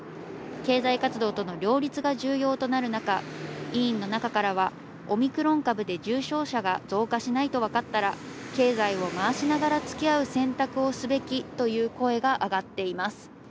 経済活動との両立が重要となる中、委員の中からはオミクロン株で重症者が増加しないとわかったら経済を回しながら付き合う選択をすべきという声があがっています。